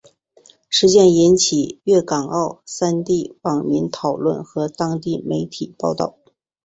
事件引起粤港澳三地网民讨论和当地媒体报导。